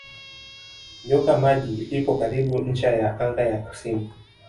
Nyoka Maji lipo karibu ncha ya anga ya kusini.